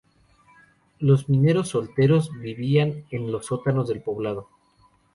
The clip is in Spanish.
Los mineros solteros, vivían en los sótanos del poblado.